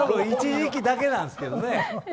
一時期だけなんですけどね。